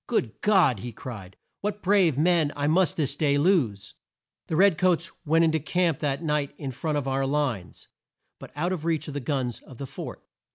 "Good God!" he cried, "what brave men I must this day lose!" The red coats went in to camp that night in front of our lines, but out of reach of the guns of the fort.